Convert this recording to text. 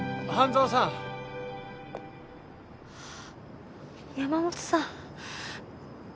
あっ。